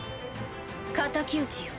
敵討ちよ。